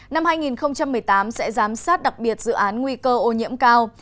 năm hai nghìn một mươi tám sẽ giám sát đặc biệt dự án nguy cơ ô nhiễm cao